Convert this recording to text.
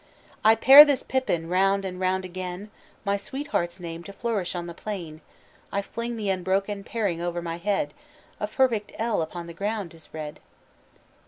"I pare this pippin round and round again, My sweetheart's name to flourish on the plain: I fling the unbroken paring o'er my head. A perfect 'L' upon the ground is read."